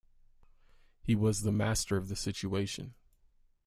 He was the master of the situation.